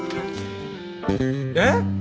えっ！？